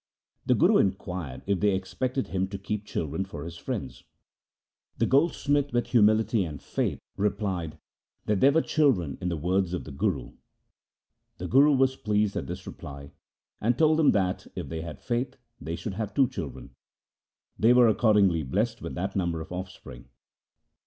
The Guru inquired if they expected him to keep children for his friends. The goldsmith, with humility and LIFE OF GURU AMAR DAS 79 faith, replied that there were children in the words of the Guru. The Guru was pleased at this reply, and told them that, if they had faith, they should have two children. They were accordingly blessed with that number of offspring.